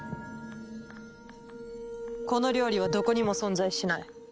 この料理はどこにも存在しない。